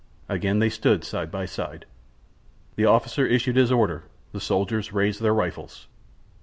Again they stood side by side. The officer issued his orders; the soldiers raised their rifles.